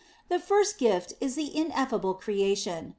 The first gift is the ineffable creation.